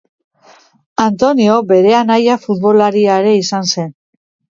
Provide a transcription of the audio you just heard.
Antonio bere anaia futbolaria ere izan zen.